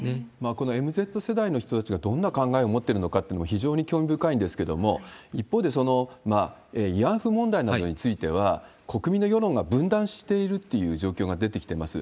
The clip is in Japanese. このＭＺ世代の人たちはどんな考えを持ってるのかっていうのも、非常に興味深いんですけれども、一方で、慰安婦問題などについては、国民の世論が分断しているっていう状況が出てきてます。